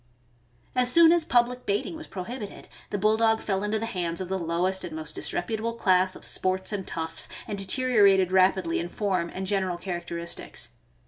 As soon as public baiting was prohibited, the Bulldog fell into the hands of the lowest and most disreputable class of sports and toughs, and deteriorated rapidly in form and general characteristics.